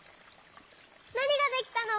なにができたの？